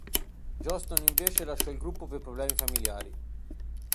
Johnston invece lasciò il gruppo per problemi familiari.